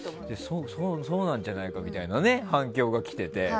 そうなんじゃないかみたいな反響が来てて。